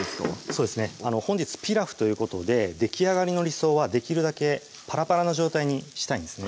そうですね本日ピラフということでできあがりの理想はできるだけパラパラの状態にしたいんですね